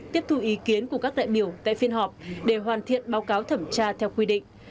tiếp thu ý kiến của các đại biểu tại phiên họp để hoàn thiện báo cáo thẩm tra theo quy định